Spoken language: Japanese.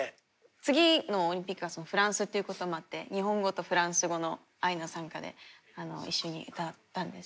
次のオリンピックがフランスっていうこともあって日本語とフランス語の「愛の讃歌」で一緒に歌ったんですけど。